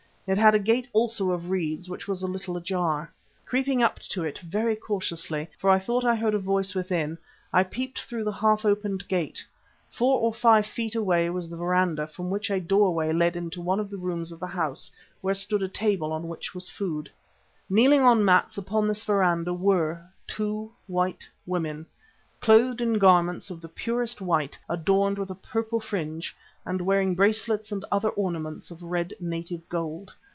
It had a gate also of reeds, which was a little ajar. Creeping up to it very cautiously, for I thought I heard a voice within, I peeped through the half opened gate. Four or five feet away was the verandah from which a doorway led into one of the rooms of the house where stood a table on which was food. Kneeling on mats upon this verandah were two white women clothed in garments of the purest white adorned with a purple fringe, and wearing bracelets and other ornaments of red native gold.